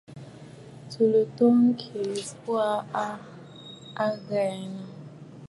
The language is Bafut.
Tsùu ló too ŋkì ɨ kwo a aghəŋə̀.